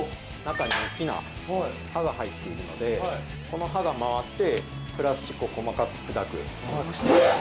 中に大きな刃が入っているのでこの刃が回ってプラスチックを細かく砕く。